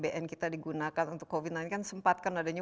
bpn kita digunakan untuk covid sembilan belas kan sempatkan adanya